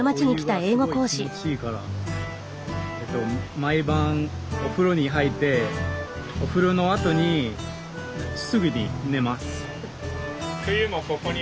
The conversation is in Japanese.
毎晩お風呂に入ってお風呂のあとにすぐに寝ます。